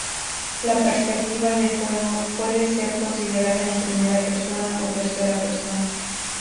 La perspectiva del juego puede ser considerada en primera persona o tercera-persona.